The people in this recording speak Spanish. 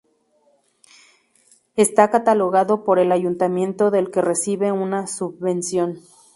Está catalogado por el Ayuntamiento del que recibe una subvención.